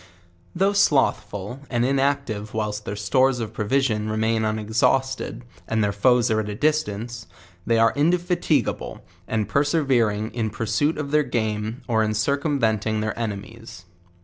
Though slothful and inactive whilst their stores of provis ion remain unexausted, and their foes are at a distance, they are indefatigable and persevering* in pursuit of their ganK ,;r in circumventing their enemies.